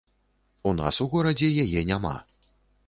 У нас у горадзе яе няма.